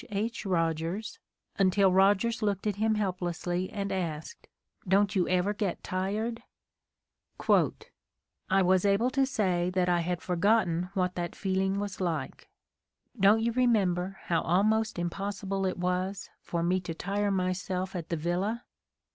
H. Eogers, until Rogers looked at him helplessly and asked, "Don't you ever get tired?": "I was able to say that I had for gotten what that feeling was like. Don't you remember how almost impossible it was for me to tire myself at the villa?